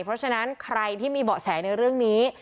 เพราะฉะนั้นใครที่มีเบาะแสในเรื่องนี้